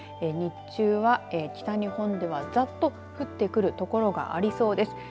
日中は北日本ではざっと降ってくる所がありそうです。